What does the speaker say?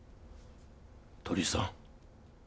鳥居さん